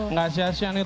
ngasiasi ya nih